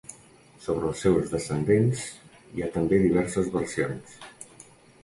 Sobre els seus descendents hi ha també diverses versions.